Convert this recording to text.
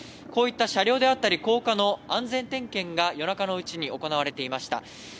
こういった車両であったり、高架の安全点検が夜中のうちに行われていました。